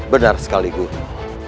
benar sekali guru